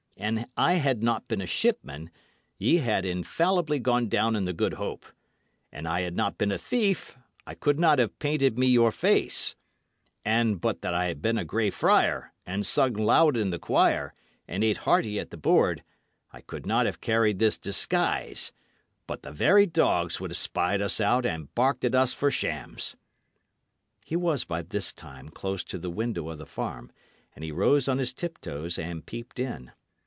An I had not been a shipman, ye had infallibly gone down in the Good Hope; an I had not been a thief, I could not have painted me your face; and but that I had been a Grey Friar, and sung loud in the choir, and ate hearty at the board, I could not have carried this disguise, but the very dogs would have spied us out and barked at us for shams." He was by this time close to the window of the farm, and he rose on his tip toes and peeped in.